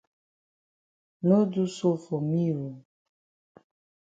No do so for me oo.